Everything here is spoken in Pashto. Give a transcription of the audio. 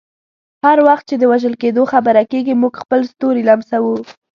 هر وخت چې د وژل کیدو خبره کیږي، موږ خپل ستوري لمسوو.